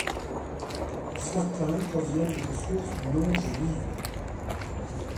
Certains proviennent de sources non juives.